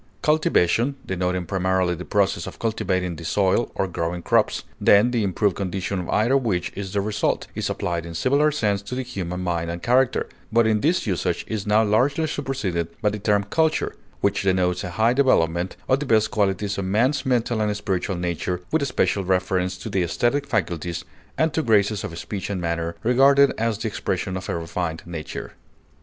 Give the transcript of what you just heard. Cultivation, denoting primarily the process of cultivating the soil or growing crops, then the improved condition of either which is the result, is applied in similar sense to the human mind and character, but in this usage is now largely superseded by the term culture, which denotes a high development of the best qualities of man's mental and spiritual nature, with especial reference to the esthetic faculties and to graces of speech and manner, regarded as the expression of a refined nature.